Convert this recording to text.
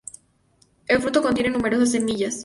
El fruto contiene numerosas semillas.